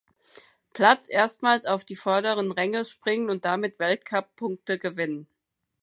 Platz erstmals auf die vorderen Plätze springen und damit Weltcup-Punkte gewinnen.